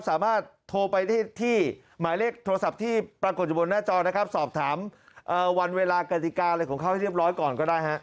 สามารถโทรไปได้ที่หมายเลขโทรศัพท์ที่ปรากฏอยู่บนหน้าจอนะครับสอบถามวันเวลากติกาอะไรของเขาให้เรียบร้อยก่อนก็ได้ฮะ